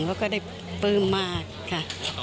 แล้วก็ได้ปลื้มมากค่ะ